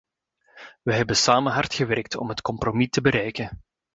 We hebben samen hard gewerkt om het compromis te bereiken.